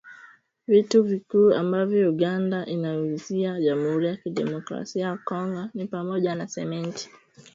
Vitu vikuu ambavyo Uganda inaiuzia Jamhuri ya Kidemokrasia ya Kongo ni pamoja na Simenti